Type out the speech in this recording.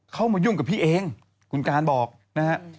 มายุ่งกับพี่เองคุณการบอกนะฮะ